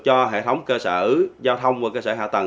cho hệ thống cơ sở giao thông và cơ sở hạ tầng